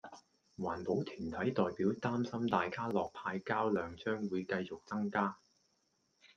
環保團體代表擔心大家樂派膠量將會繼續增加